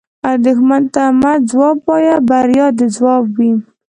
دښمن ته مه ځواب وایه، بریا دې ځواب وي